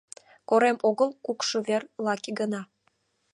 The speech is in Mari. Корем огыл, кукшо вер, лаке гына!